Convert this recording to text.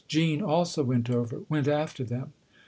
" Jean also went over went after them."